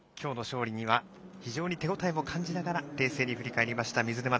今日の勝利には非常に手応えを感じながら冷静に振り返りました。